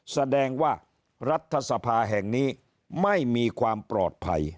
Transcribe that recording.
แสดงว่ารัฐสภาแห่งนี้ไม่มีความปลอดภัย